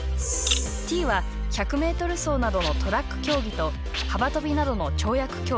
Ｔは１００ｍ走などのトラック競技と幅跳びなどの跳躍競技。